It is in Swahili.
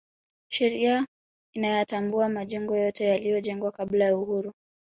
sheria inayatambua majengo yote yaliyojengwa kabla ya uhuru